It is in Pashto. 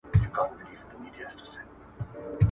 انسان له ځمکنیو شیانو سره سر او کار لري.